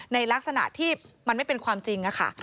ในลักษณะที่มันไม่เป็นความจริงค่ะ